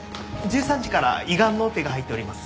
１３時から胃がんのオペが入っております。